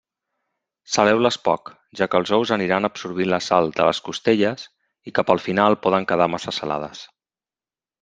Saleu-les poc, ja que els ous aniran absorbint la sal de les costelles i cap al final poden quedar massa salades.